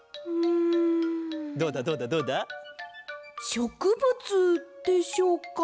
しょくぶつでしょうか？